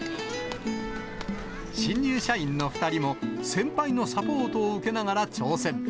新入社員の２人も、先輩のサポートを受けながら挑戦。